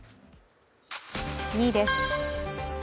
２位です。